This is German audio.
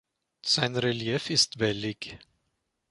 Sein Relief ist wellig.